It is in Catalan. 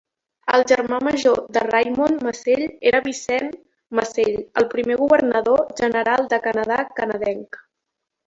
El germà major de Raymond Massey era Vincent Massey, el primer governador general de Canadà canadenc.